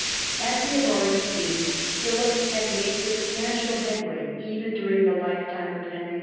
As we have already seen, Philip had made substantial headway even during the lifetime of Henry II.